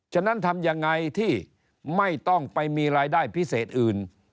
ฉะนั้นทำยังไงที่ไม่ต้องไปมีรายได้พิเศษอื่น